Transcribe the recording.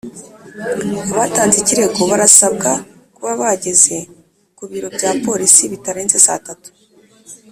abatanze ikirego barasabwa kuba bageze ku biro bya Polisi bitarenze saa tatu